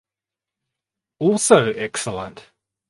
Also excellent.